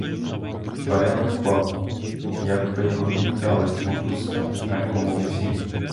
Варяг упав, як би його відтяли з мотузка, на якому висів.